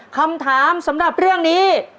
คำถามสำหรับเรื่องนี้